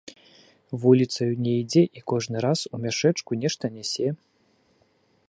Вуліцаю не ідзе, і кожны раз у мяшэчку нешта нясе.